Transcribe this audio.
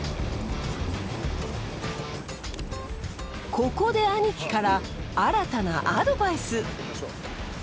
ここで兄貴から新たなアドバイス。